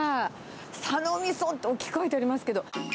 佐野みそって大きく書いてありますけど。